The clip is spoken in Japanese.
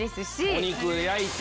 お肉焼いて。